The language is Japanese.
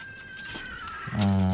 うん。